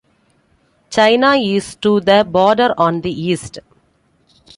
China is to the border on the east.